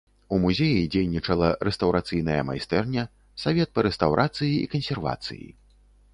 У музеі дзейнічала рэстаўрацыйная майстэрня, савет па рэстаўрацыі і кансервацыі.